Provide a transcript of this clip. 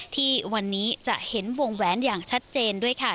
ที่วันนี้จะเห็นวงแหวนอย่างชัดเจนด้วยค่ะ